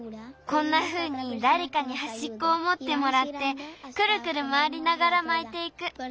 こんなふうにだれかにはしっこをもってもらってクルクルまわりながらまいていく。